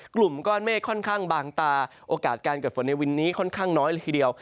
กลุ่มก้อนเมฆค่อนข้างบางตาโอกาสการเกิดฝนในวันนี้ค่อนข้างน้อยเลยทีเดียว